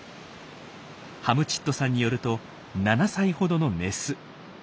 ハムチットさんによると７歳ほどのメス。